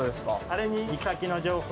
あれに。